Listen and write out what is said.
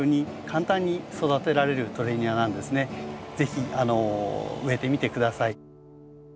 是非植えてみて下さい。